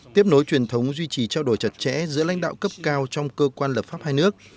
tiếp nối truyền thống duy trì trao đổi chặt chẽ giữa lãnh đạo cấp cao trong cơ quan lập pháp hai nước